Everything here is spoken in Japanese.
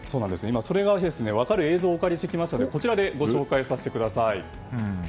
それが分かる映像をお借りしてきましたのでこちらでご紹介させてください。